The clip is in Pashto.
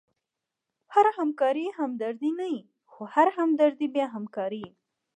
هره همکاري همدردي نه يي؛ خو هره همدردي بیا همکاري يي.